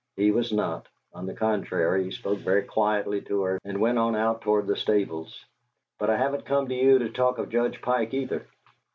He was not. On the contrary, he spoke very quietly to her, and went on out toward the stables. But I haven't come to you to talk of Judge Pike, either!"